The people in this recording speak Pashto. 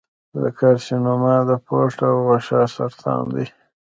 د کارسینوما د پوست او غشا سرطان دی.